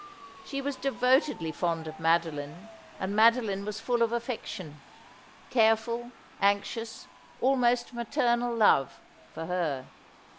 She was devotedly fond of Madoline, and Madoline was full of affection — careful, anxious, almost maternal love —■ for her.